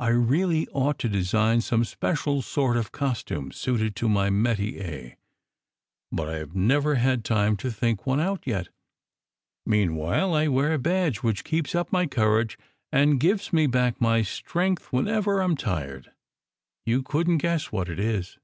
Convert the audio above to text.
"I really ought to design some special sort of costume suited to my metier, but I ve never had time to think one out yet! Meanwhile, I wear a badge which keeps up my courage, and gives me back my strength when ever I m tired. You couldn t guess what it is